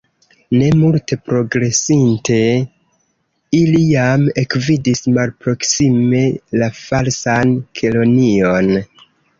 Ne multe progresinte, ili jam ekvidis malproksime la Falsan Kelonion.